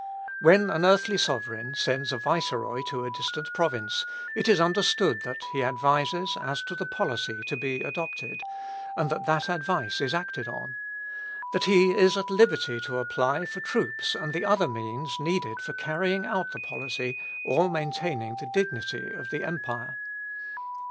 When an earthly sovereign sends a viceroy to a dis tant province, it is understood that he advises as to the policy to be adopted, and that that advice is acted on : that he is at liberty to apply for troops and the other means needed for carrying out the policy or maintaining the dignity of the empire.